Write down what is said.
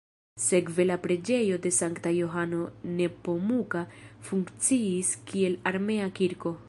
Sekve la preĝejo de sankta Johano Nepomuka funkciis kiel armea kirko.